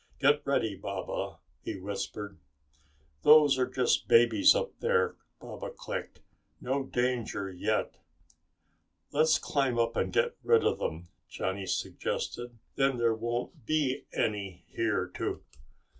"Get ready, Baba," he whispered. "Those are just babies up there," Baba clicked. "No danger yet!" "Let's climb up and get rid of them!" Johnny suggested. "Then there won't be any here to...."